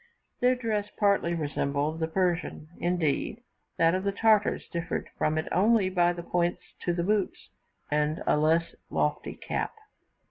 Their dress partly resembled the Persian; indeed that of the Tartars differed from it only by points to the boots, and a less lofty cap.